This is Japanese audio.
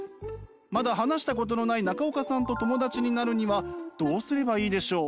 まだ話したことのない中岡さんと友達になるにはどうすればいいでしょう？